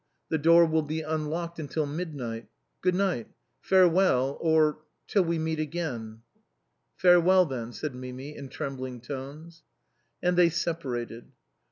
The door will be unlocked till midnight. Good night. Farewell, or — till we meet again." " Farewell, then," said Mimi, in trembling tones. And they separated.